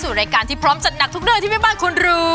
รายการที่พร้อมจัดหนักทุกเรื่องที่แม่บ้านควรรู้